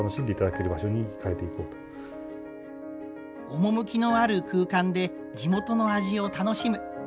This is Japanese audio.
趣のある空間で地元の味を楽しむ。